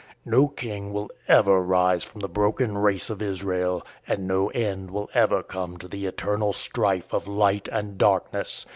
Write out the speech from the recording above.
No king will ever rise from the broken race of Israel, and no end will ever come to the eternal strife of light and darkness.